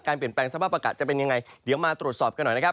เปลี่ยนแปลงสภาพอากาศจะเป็นยังไงเดี๋ยวมาตรวจสอบกันหน่อยนะครับ